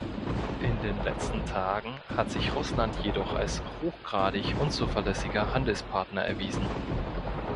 In den letzten Tagen hat sich Russland jedoch als hochgradig unzuverlässiger Handelspartner erwiesen.